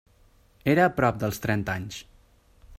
Era a prop dels trenta anys.